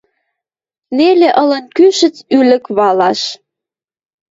Нелӹ ылын кӱшӹц ӱлӹк валаш